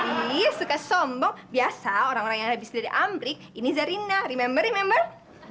iya suka sombong biasa orang orang yang habis dari amrik ini zarina remember remember